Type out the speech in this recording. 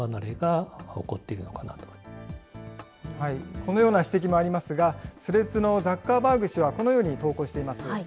このような指摘もありますが、スレッズのザッカーバーグ氏はこのように投稿しています。